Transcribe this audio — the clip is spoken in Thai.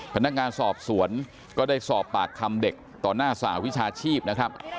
พนักงานสอบสวนก็ได้สอบปากคำเด็กต่อหน้าสหวิชาชีพนะครับ